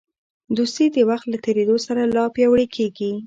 دوستي د وخت له تېرېدو سره لا پیاوړې کېږي.